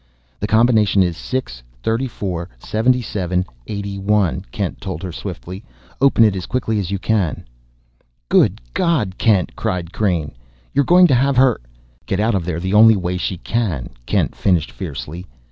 "The combination is 6 34 77 81," Kent told her swiftly. "Open it as quickly as you can." "Good God, Kent!" cried Crain. "You're going to have her ?" "Get out of there the only way she can!" Kent finished fiercely.